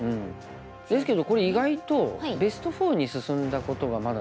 ですけどこれ意外とベスト４に進んだことがまだないっていうね。